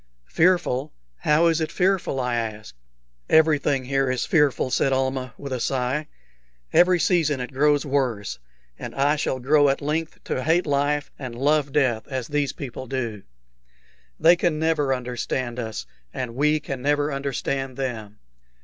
"Fearful? How is it fearful?" I asked. "Everything here is fearful," said Almah, with a sigh. "Every season it grows worse, and I shall grow at length to hate life and love death as these people do. They can never understand us, and we can never understand them.